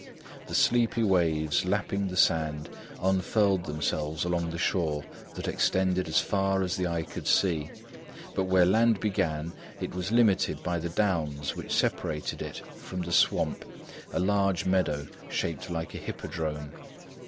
The sleepy waves lapping the sand unfurled themselves along the shore that extended as far as the eye could see, but where land began, it was limited by the downs which separated it from the "Swamp," a large meadow shaped like a hippodrome.